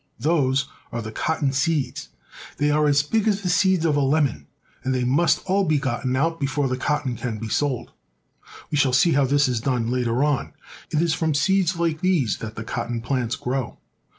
Those are the cotton seeds. They are as big as the seeds of a lemon, and they must all be gotten out before the cotton can be sold. We shall see how this is done later on. It is from seeds like these that the cotton plants grow.